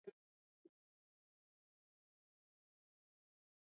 Kama uko na mashamba ni salama